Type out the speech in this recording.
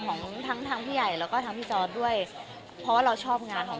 ก็คิดเองดูซิแทบที่ีปยักษณ์หนึ่งนะครับ